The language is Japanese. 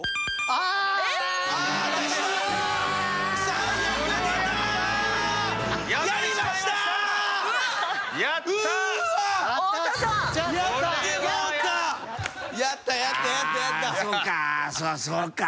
ああそうか。